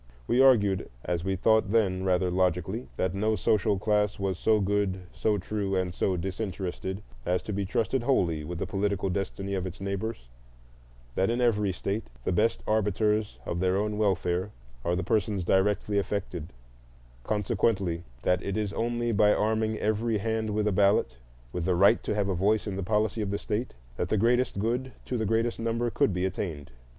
We argued, as we thought then rather logically, that no social class was so good, so true, and so disinterested as to be trusted wholly with the political destiny of its neighbors; that in every state the best arbiters of their own welfare are the persons directly affected; consequently that it is only by arming every hand with a ballot,—with the right to have a voice in the policy of the state,—that the greatest good to the greatest number could be attained.